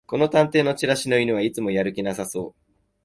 この探偵のチラシの犬はいつもやる気なさそう